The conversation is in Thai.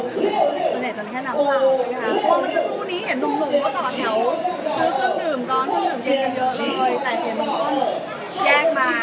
ไม่เห็นจนแค่น้ำหนัก